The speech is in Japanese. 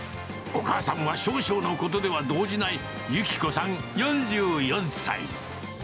お母さんは少々のことでは動じない、由希子さん４４歳。